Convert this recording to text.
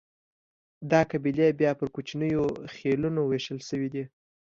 دا قبیلې بیا پر کوچنیو خېلونو وېشل شوې دي.